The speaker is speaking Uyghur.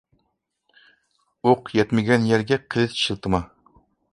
ئوق يەتمىگەن يەرگە قىلىچ شىلتىما.